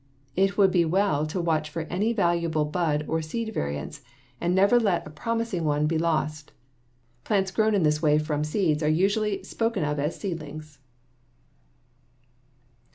It will be well to watch for any valuable bud or seed variant and never let a promising one be lost. Plants grown in this way from seeds are usually spoken of as seedlings.